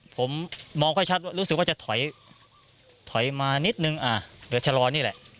ผมมองค่อยชัดว่ารู้สึกว่าจะถอยมานิดนึงเดี๋ยวชะลอนี่แหละ